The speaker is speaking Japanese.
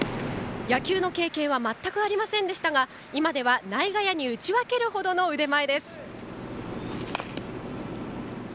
野球の経験は全くありませんでしたが今では内外野に打ち分けるほどの腕前です。